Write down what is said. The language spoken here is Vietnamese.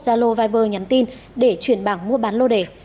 zalo viber nhắn tin để chuyển bảng mua bán lô đề